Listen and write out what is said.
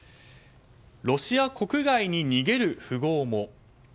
ロシア国外に逃げる富豪も。